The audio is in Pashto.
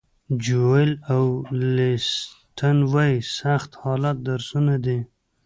جویل اولیسټن وایي سخت حالات درسونه دي.